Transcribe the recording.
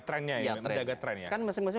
trendnya ya menjaga trendnya kan masing masing